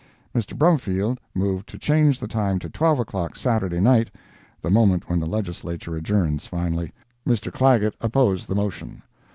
Mr. Brumfield moved to change the time to 12 o'clock Saturday night (the moment when the Legislature adjourns finally). Mr. Clagett opposed the motion.